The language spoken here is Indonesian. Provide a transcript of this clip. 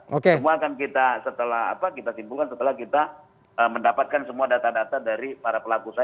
semua akan kita setelah kita simpulkan setelah kita mendapatkan semua data data dari para pelaku usaha